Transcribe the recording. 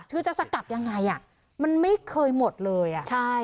คือจะสกัดยังไงอ่ะมันไม่เคยหมดเลยอ่ะใช่